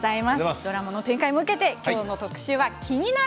ドラマの展開も受けて今日の特集は「キニナル」。